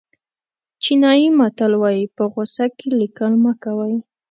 چینایي متل وایي په غوسه کې لیکل مه کوئ.